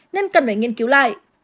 nên cần phải nghiên cứu lại